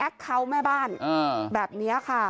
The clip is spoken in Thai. เป็นแอคเคาท์แม่บ้านแบบนี้ค่ะ